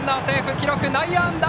記録は内野安打。